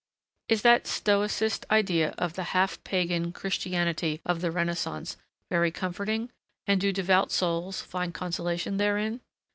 Is that stoicist idea of the half pagan Christianity of the Renaissance very comforting, and do devout souls find consolation therein?